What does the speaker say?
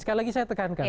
sekali lagi saya tekankan